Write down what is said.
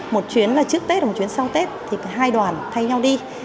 một chuyến là trước tết và một chuyến sau tết thì hai đoàn thay nhau đi